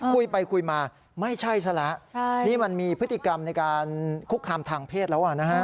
คุยไปคุยมาไม่ใช่ซะแล้วนี่มันมีพฤติกรรมในการคุกคามทางเพศแล้วนะฮะ